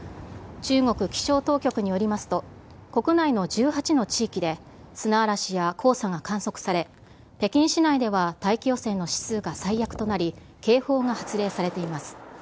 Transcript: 中国気象当局によりますと、国内の１８の地域で砂嵐や黄砂が観測され、北京市内では大気汚染の指数が最悪となり、警報が発令されています。